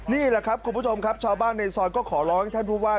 นี่แหละครับคุณผู้ชมครับชาวบ้านในซอยก็ขอร้องให้ท่านผู้ว่า